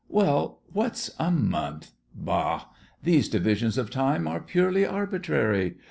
Well, what's a month? Bah! These divisions of time are purely arbitrary.